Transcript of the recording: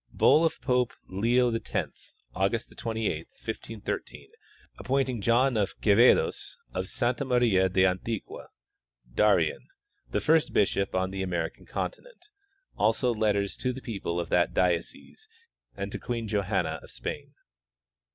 Bull of Pope Leo X, August 28, 1513, appointing John of Quevedos of Santa Maria del Antiqua (Darien), the first bishop on the American continent; also letters to the people of that diocese and to Queen Johanna of Spain.